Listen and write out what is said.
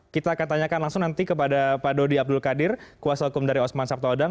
kita akan tanyakan langsung nanti kepada pak dodi abdul qadir kuasa hukum dari osman sabtaodang